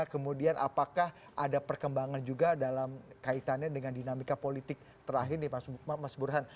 kemudian apakah ada perkembangan juga dalam kaitannya dengan dinamika politik terakhir nih mas burhan